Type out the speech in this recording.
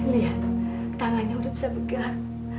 lihat tanahnya udah bisa bergerak